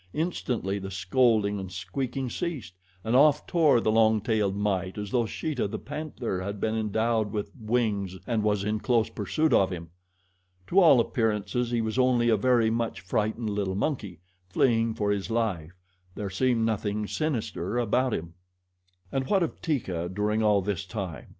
Instantly the scolding and squeaking ceased, and off tore the long tailed mite as though Sheeta, the panther, had been endowed with wings and was in close pursuit of him. To all appearances he was only a very much frightened little monkey, fleeing for his life there seemed nothing sinister about him. And what of Teeka during all this time?